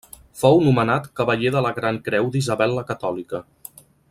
Fou nomenat cavaller de la Gran Creu d'Isabel la Catòlica.